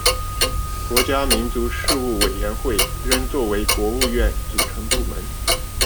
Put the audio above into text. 国家民族事务委员会仍作为国务院组成部门。